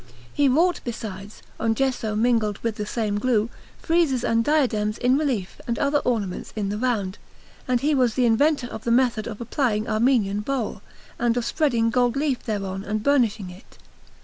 He wrought, besides, on gesso mingled with the same glue, friezes and diadems in relief and other ornaments in the round; and he was the inventor of the method of applying Armenian bole, and of spreading gold leaf thereon and burnishing it.